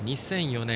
２００４年。